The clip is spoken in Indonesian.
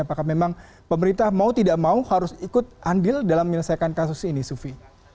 apakah memang pemerintah mau tidak mau harus ikut andil dalam menyelesaikan kasus ini sufi